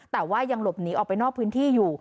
แต่ว่ายังหลบหนีออกไปนอกพื้นที่อยู่